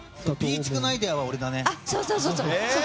ビーチクのアイデアは俺だね。